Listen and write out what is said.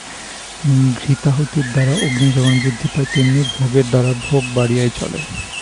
ঘৃতাহুতির দ্বারা অগ্নি যেমন বৃদ্ধি পায়, তেমনি ভোগের দ্বারা ভোগ বাড়িয়াই চলে।